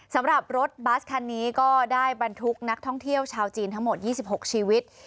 สำหรับรถบัสคันนี้ก็ได้บรรทุกนักท่องเที่ยวชาวจีนทั้งหมด๒๖ชีวิต